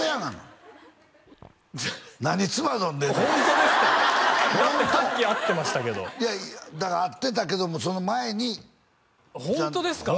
だってさっき会ってましたけどいやだから会ってたけどもその前にホントですか？